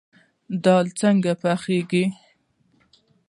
دال څنګه پخیږي؟